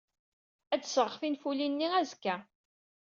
Ad d-sɣeɣ tinfulin-nni azekka.